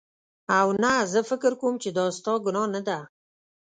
او نه زه فکر کوم چې دا ستا ګناه نده